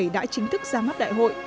đã chính thức ra mắt đại hội